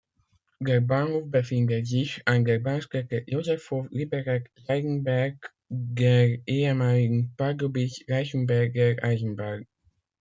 Der Bahnhof befindet sich an der Bahnstrecke Josefov—Liberec—Seidenberk, der ehemaligen Pardubitz-Reichenberger Eisenbahn.